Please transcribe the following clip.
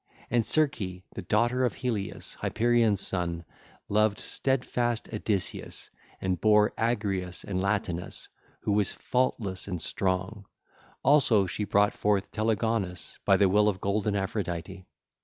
(ll. 1011 1016) And Circe the daughter of Helius, Hyperion's son, loved steadfast Odysseus and bare Agrius and Latinus who was faultless and strong: also she brought forth Telegonus by the will of golden Aphrodite.